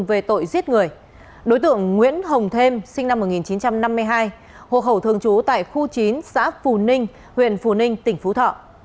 về tội giết người đối tượng nguyễn hồng thêm sinh năm một nghìn chín trăm năm mươi hai hộ khẩu thường trú tại khu chín xã phù ninh huyện phù ninh tỉnh phú thọ